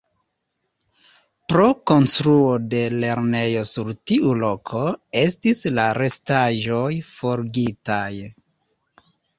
Pro konstruo de lernejo sur tiu loko estis la restaĵoj forigitaj.